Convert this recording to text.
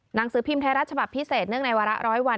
หนังสือพิมพ์ไทรรัฐฉบับพิเศษในเวลาร้อยวัน